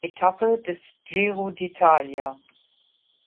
Etappe des Giro d’Italia.